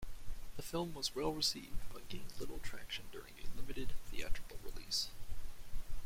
The film was well-received but gained little traction during a limited theatrical release.